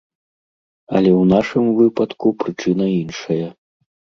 Але ў нашым выпадку прычына іншая.